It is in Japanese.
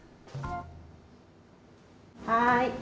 はい。